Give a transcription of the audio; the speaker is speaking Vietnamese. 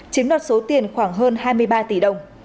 chiếm đoạt số tiền khoảng hơn hai mươi ba tỷ đồng